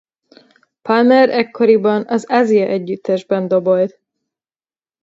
Palmer ekkoriban az Asia együttesben dobolt.